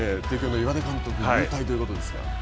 帝京の岩出監督勇退ということですが。